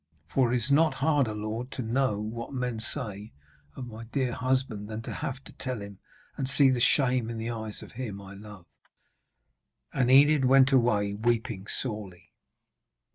For it is not harder, lord, to know what men say of my dear husband, than to have to tell him, and see the shame in the eyes of him I love.' And Enid went away weeping sorely.